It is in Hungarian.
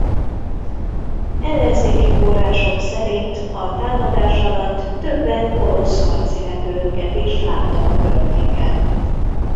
Ellenzéki források szerint a támadás alatt többen orosz harci repülőket is láttak a környéken.